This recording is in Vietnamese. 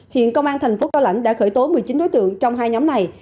hiện công an thành phố cao lãnh đã khởi tố một mươi chín đối tượng trong hai nhóm này